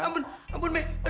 amun amun amun amun be